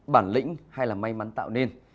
bản lĩnh hay là may mắn tạo nên